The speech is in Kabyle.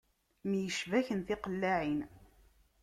Myecbaken tiqellaɛin.